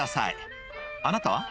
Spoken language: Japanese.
「あなたは？」